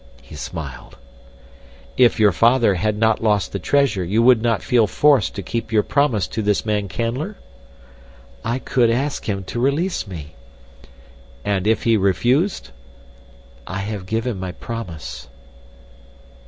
He smiled. "If your father had not lost the treasure you would not feel forced to keep your promise to this man Canler?" "I could ask him to release me." "And if he refused?" "I have given my promise."